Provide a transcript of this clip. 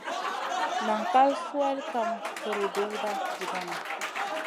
Nan ka swel kam hurduwda jiganou.